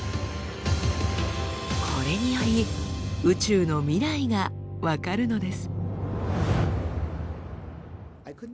これにより宇宙の未来が分かるのです。